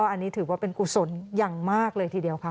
อันนี้ถือว่าเป็นกุศลอย่างมากเลยทีเดียวค่ะ